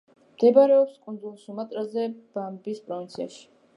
მდებარეობს კუნძულ სუმატრაზე, ჯამბის პროვინციაში.